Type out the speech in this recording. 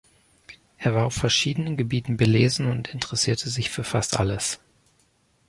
Er war auf verschiedenen Gebieten belesen und interessierte sich für fast alles.